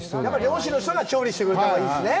漁師の人が調理してくれたほうがいいですね。